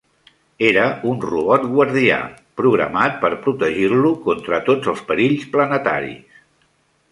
Era un robot guardià, programat per protegir-lo contra tots els perills planetaris.